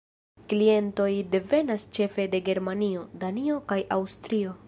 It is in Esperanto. Klientoj devenas ĉefe de Germanio, Danio kaj Aŭstrio.